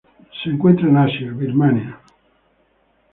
Se encuentran en Asia: Birmania.